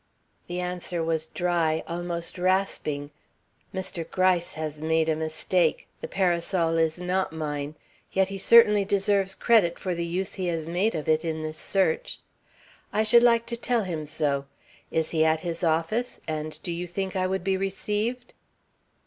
"The answer was dry, almost rasping: 'Mr. Gryce has made a mistake. The parasol is not mine; yet he certainly deserves credit for the use he has made of it, in this search. I should like to tell him so. Is he at his office, and do you think I would be received?'